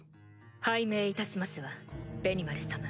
拝命いたしますわベニマル様。